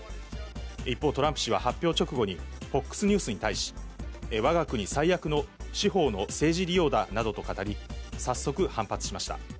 一方、トランプ氏は発表後、ＦＯＸニュースに対し、わが国最悪の司法の政治利用だなどと語り、早速、反発しました。